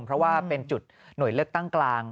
เพราะว่าเป็นจุดหน่วยเลือกตั้งกลาง